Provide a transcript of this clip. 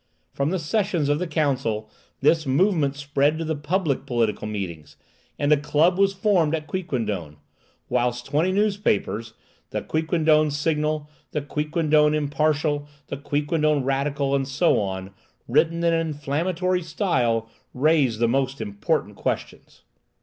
From the sessions of the council, this movement spread to the public political meetings, and a club was formed at Quiquendone; whilst twenty newspapers, the "Quiquendone Signal," the "Quiquendone Impartial," the "Quiquendone Radical," and so on, written in an inflammatory style, raised the most important questions.